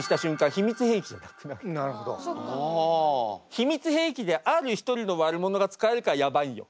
秘密兵器である一人の悪者が使えるからやばいんよ。